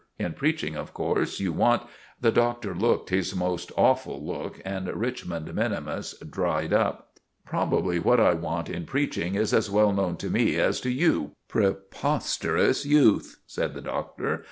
In preaching, of course, you want——" The Doctor looked his most awful look, and Richmond minimus dried up. "Probably what I want in preaching is as well known to me as to you, preposterous youth!" said the Doctor.